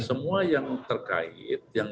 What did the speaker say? semua yang terkait yang